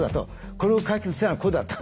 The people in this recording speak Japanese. これを解決するにはこうだと。